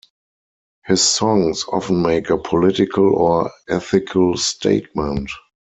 His songs often make a political or ethical statement.